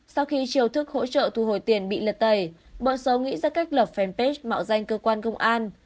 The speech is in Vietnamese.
sau khi chiều thức hỗ trợ thu hồi tiền bị lật tẩy bọn xấu nghĩ ra cách lập fanpage mạo danh cơ quan công an